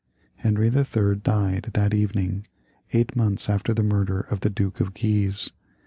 Henry III. died that evening, eight months after the murder of the Duke of Guise.